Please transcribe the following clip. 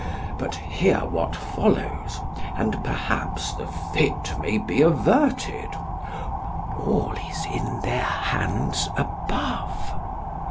But hear what follows, and perhaps the fit may be averted; all is in their hands above.